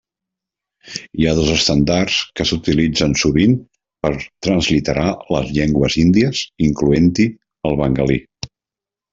Hi ha dos estàndards que s'utilitzen sovint per transliterar les llengües índies, incloent-hi el bengalí.